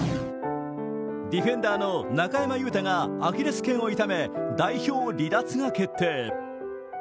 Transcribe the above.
ディフェンダーの中山雄太がアキレスけんを痛め代表離脱が決定。